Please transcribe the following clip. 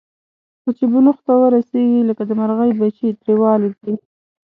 خو چې بلوغ ته ورسېږي، لکه د مرغۍ بچي ترې والوځي.